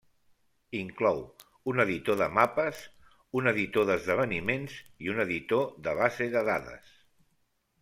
Inclou un editor de mapes, un editor d'esdeveniments i un editor de base de dades.